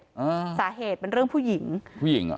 อ่าสาเหตุเป็นเรื่องผู้หญิงผู้หญิงอ่ะ